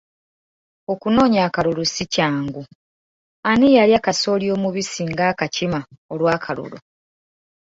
Okunoonya akalulu si kyangu, ani yalya kasooli omubisi ng’akakima olw’akalulu?